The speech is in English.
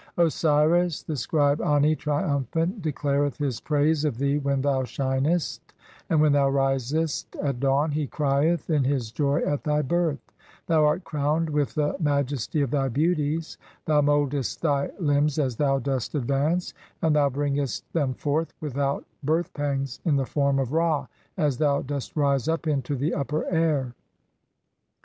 Osiris, the scribe Ani, triumphant, declareth (25) his praise of thee when thou shinest, and when thou risest at dawn he crieth in his jov at thy birth : (26) "Thou art crowned with the ma "jestv of thv beauties ; thou mouldest thy limbs as thou dost "advance, and thou bringest them forth without birth pangs in "the form of (27) Ra, as thou dost rise up into the upper air.